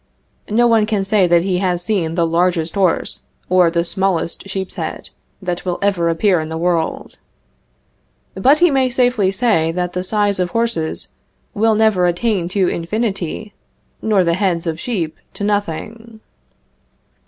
No one can say that he has seen the largest horse or the smallest sheep's head that will ever appear in the world. But he may safely say that the size of horses will never attain to infinity, nor the heads of sheep to nothing.